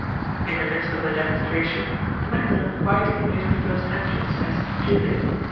In the midst of the demonstration, Magdalen quietly made her first entrance, as "Julia."